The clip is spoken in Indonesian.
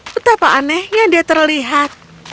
betapa anehnya dia terlihat